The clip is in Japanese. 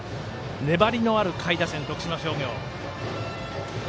粘りのある下位打線、徳島商業。